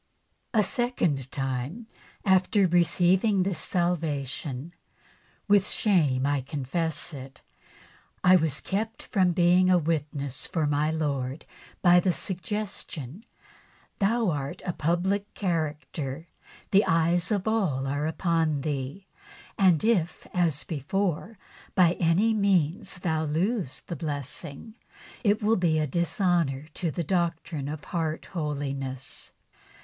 "A second time after receiving this salvation (with shame I confess it) 1 was kept from being a witness for my Lord by the suggestion, 'Thou art a public character ; the eyes of all are upon thee ; and if, as before, by any means thou lose the blessing, it wall be a dishonour to the doctrine of heart holiness.